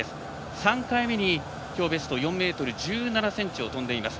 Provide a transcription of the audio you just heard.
３回目にきょうベスト４ｍ１７ｃｍを跳んでいます。